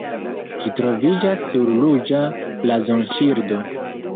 Ĝi troviĝas sur ruĝa blazonŝildo.